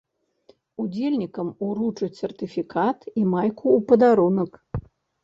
Удзельнікам уручаць сертыфікат і майку ў падарунак.